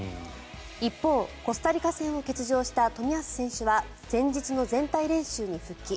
一方、コスタリカ戦を欠場した冨安選手は前日の全体練習に復帰。